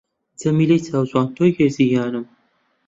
جەمیلەی چاو جوان تۆی هێزی گیانم